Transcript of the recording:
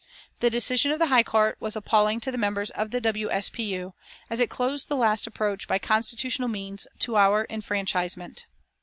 The decision of the high court was appalling to the members of the W. S. P. U., as it closed the last approach, by constitutional means, to our enfranchisement.